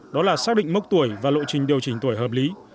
đó là xác định mốc tuổi và lộ trình điều chỉnh tuổi hợp lý